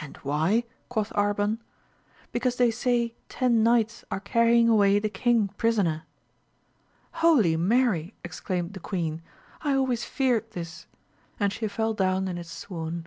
And why ] quoth Arban. — Because they say ten knights are carrying away the king prisoner. Holy Mary ! exclaimed the queen ; I always feared this ! and she fell down in a swoon.